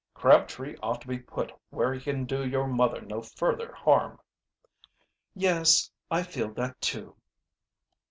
"Crabtree ought to be put where he can do your mother no further harm." "Yes, I feel that, too."